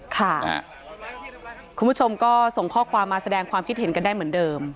คุณผู้ชมก็ส่งข้อความมาแสดงความคิดเห็นกันได้เหมือนเดิม